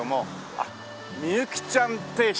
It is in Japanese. あっ「みゆきちゃん定食」。